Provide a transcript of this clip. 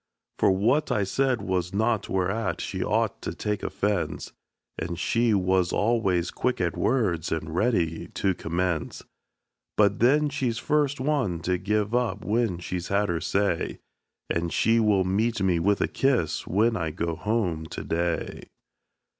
For what I said was naught whereat she ought to take offense; And she was always quick at words and ready to commence. But then she's first one to give up when she has had her say; And she will meet me with a kiss, when I go home to day.